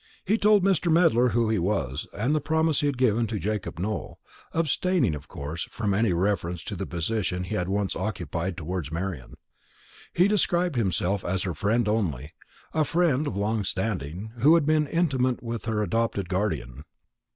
He told Mr. Medler who he was, and the promise he had given to Jacob Nowell, abstaining, of course, from any reference to the position he had once occupied towards Marian. He described himself as her friend only a friend of long standing, who had been intimate with her adopted guardian.